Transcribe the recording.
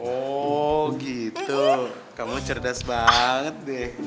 oh gitu kamu cerdas banget deh